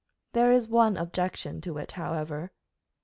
"There is one objection to that, however."